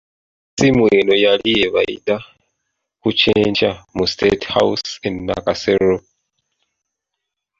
Essimu eno yali ebayita ku kyenkya mu State House e Nakasero.